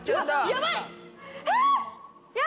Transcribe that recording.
やばい！